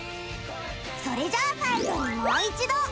それじゃあ最後にもう一度！